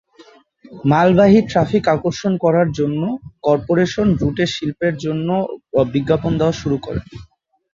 মালবাহী ট্র্যাফিক আকর্ষণ করার জন্য, কর্পোরেশন রুটে শিল্পের জন্য বিজ্ঞাপন দেওয়া শুরু করে।